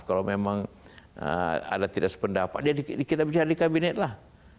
kalau memang ada tidak sependapat kita bicara di kabinet lah